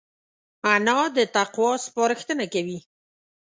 انا د تقوی سپارښتنه کوي